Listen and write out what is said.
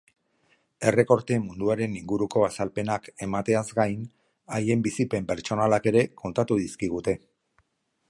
Errekorte munduaren inguruko azalpenak emateaz gain, haien bizipen pertsonalak ere kontatu dizkigute.